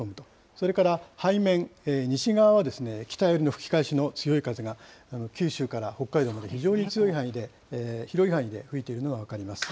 それから、背面、西側は北寄りの吹き返しの強い風が、九州から北海道まで、非常に広い範囲で吹いているのが分かります。